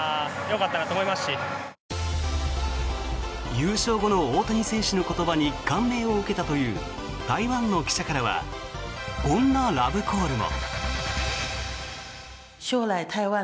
優勝後の大谷選手の言葉に感銘を受けたという台湾の記者からはこんなラブコールも。